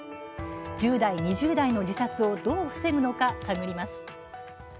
１０代、２０代の自殺をどう防ぐのか探ります。